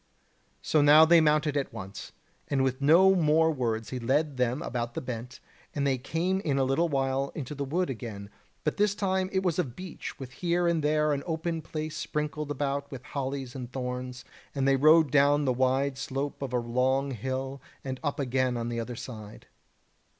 So now they mounted at once, and with no more words he led them about the bent, and they came in a little while into the wood again, but this time it was of beech, with here and there an open place sprinkled about with hollies and thorns; and they rode down the wide slope of a long hill, and up again on the other side.